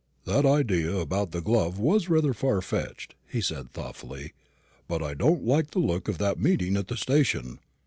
"That idea about the glove was rather far fetched," he said, thoughtfully; "but I don't like the look of that meeting at the station.